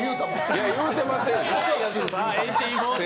いや、言うてませんよ。